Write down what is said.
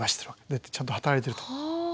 でちゃんと働いてると。